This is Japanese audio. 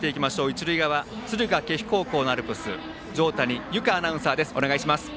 一塁側、敦賀気比高校のアルプス条谷有香アナウンサーです。